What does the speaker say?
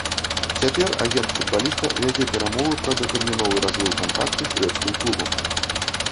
Цяпер агент футбаліста вядзе перамовы пра датэрміновы разрыў кантракту з грэцкім клубам.